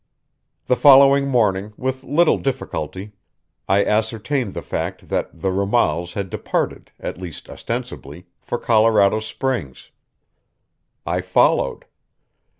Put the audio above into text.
The following morning, with little difficulty, I ascertained the fact that the Ramals had departed at least ostensibly for Colorado Springs. I followed.